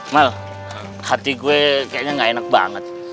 mal hati gue kayaknya gak enak banget